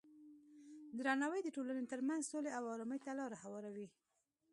درناوی د ټولنې ترمنځ سولې او ارامۍ ته لاره هواروي.